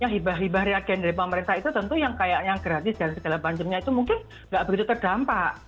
hibah hibah reagen dari pemerintah itu tentu yang kayaknya gratis dan segala macamnya itu mungkin nggak begitu terdampak